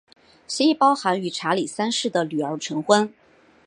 协议包含与查理三世的女儿成婚。